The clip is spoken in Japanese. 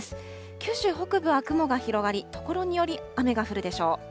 九州北部は雲が広がり、所により雨が降るでしょう。